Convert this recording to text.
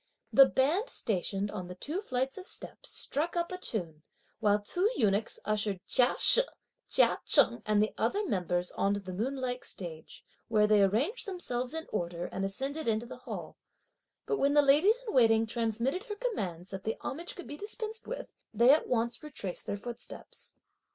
The band stationed on the two flights of steps struck up a tune, while two eunuchs ushered Chia She, Chia Cheng and the other members on to the moonlike stage, where they arranged themselves in order and ascended into the hall, but when the ladies in waiting transmitted her commands that the homage could be dispensed with, they at once retraced their footsteps.